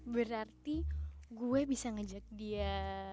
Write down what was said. berarti gue bisa ngajak dia